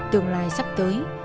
tương lai sắp tới